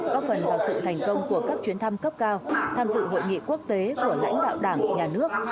góp phần vào sự thành công của các chuyến thăm cấp cao tham dự hội nghị quốc tế của lãnh đạo đảng nhà nước